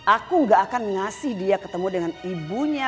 aku gak akan ngasih dia ketemu dengan ibunya